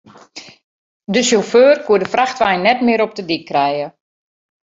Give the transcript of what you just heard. De sjauffeur koe de frachtwein net mear op de dyk krije.